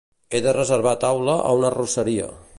He de reservar taula a una arrosseria.